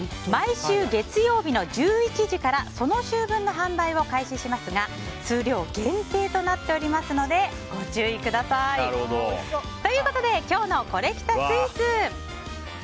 毎週月曜日の１１時からその週分の販売を開始しますが数量限定となっておりますのでご注意ください。ということで今日のコレきたスイーツ。